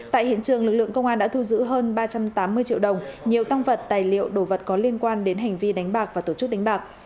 tại hiện trường lực lượng công an đã thu giữ hơn ba trăm tám mươi triệu đồng nhiều tăng vật tài liệu đồ vật có liên quan đến hành vi đánh bạc và tổ chức đánh bạc